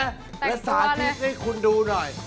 และสาธิตให้คุณดูหน่อย